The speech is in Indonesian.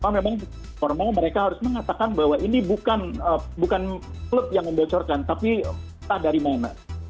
memang formal mereka harus mengatakan bahwa ini bukan klub yang membocorkan tapi entah dari mana